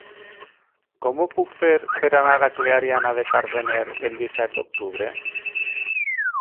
Com ho puc fer per anar a Clariana de Cardener el disset d'octubre?